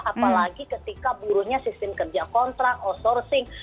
apalagi ketika buruhnya sistem kerja kontrak outsourcing